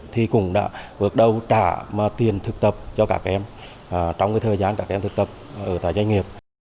thì cũng đã vượt đầu trả tiền thực tập cho các em trong thời gian các em thực tập ở tại doanh nghiệp